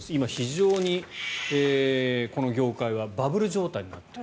今、非常にこの業界はバブル状態になっている。